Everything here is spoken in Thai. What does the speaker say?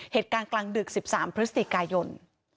เหตุการณ์กลางดึก๑๓พฤศจิกายน